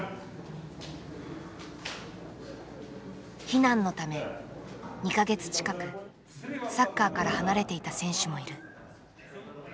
避難のため２か月近くサッカーから離れていた選手もいる。